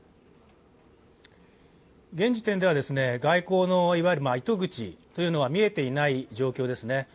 現時点では外交のいわゆる糸口というのは見えていない状況です。